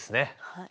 はい。